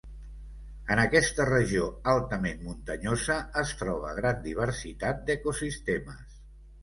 En aquesta regió altament muntanyosa es troba gran diversitat d'ecosistemes.